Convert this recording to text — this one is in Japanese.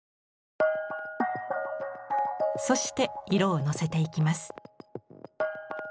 そして色をのせていきます。